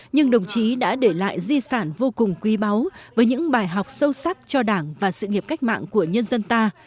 nhưng đồng chí đã để lại di sản vô cùng quý báu với những bài học sâu sắc cho đảng và sự nghiệp cách mạng của nhân dân ta